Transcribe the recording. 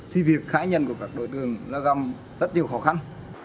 thì việc khái nhân của các đối tượng gặp rất nhiều khó khăn